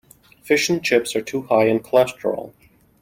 Fish and chips are too high in cholesterol.